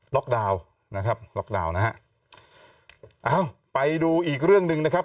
ล็อกดาวน์นะครับล็อกดาวน์นะฮะอ้าวไปดูอีกเรื่องหนึ่งนะครับ